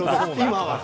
今は。